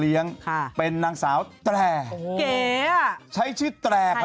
พี่หนุ่มก็รู้จัก